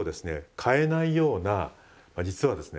変えないようなまあ実はですね